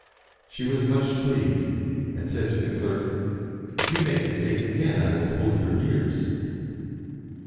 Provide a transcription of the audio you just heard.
She was much pleased, and said to the clerk, " If you make mistakes again, I will pull your ears."